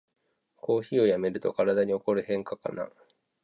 コーヒーをやめると体に起こる変化かな